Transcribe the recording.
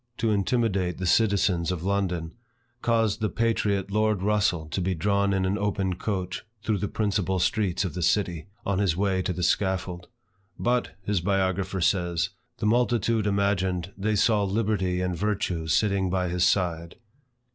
to intimidate the citizens of London, caused the patriot Lord Russel to be drawn in an open coach, through the principal streets of the city, on his way to the scaffold. "But," his biographer says, "the multitude imagined they saw liberty and virtue sitting by his side."